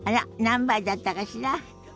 何杯だったかしら？